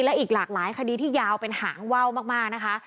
และอีกหลากหลายคดีที่ยาวเป็นหางว่าวมากนะคะ